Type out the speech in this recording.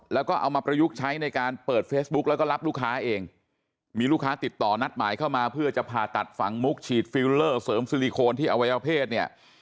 แล้วก็เอามาประยุกต์ใช้ในการเปิดเฟซบุ๊กแล้วก็รับลูกค้าเองมีลูกค้าติดต่อนัดหมายเข้ามาเพื่อจะผ่าตัดฝังมุกฉีดฟิลเลอร์เสริมซิลิโคนที่อวัยวเพศเนี่ย